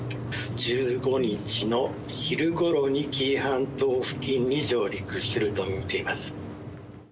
１５日の昼頃に紀伊半島付近に上陸すると見ています。